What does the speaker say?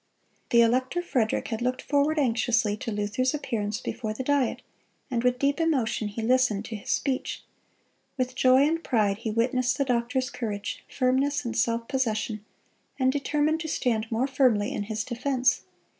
The elector Frederick had looked forward anxiously to Luther's appearance before the Diet, and with deep emotion he listened to his speech. With joy and pride he witnessed the doctor's courage, firmness, and self possession, and determined to stand more firmly in his defense.